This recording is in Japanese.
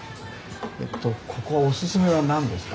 えっとここはおすすめは何ですか？